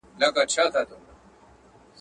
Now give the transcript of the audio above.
لرغوني اثار د فرهنګ برخه ده